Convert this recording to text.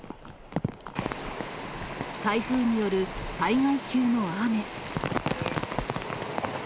台風による災害級の雨。